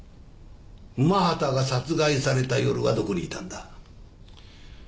午端が殺害された夜はどこにいたんだ？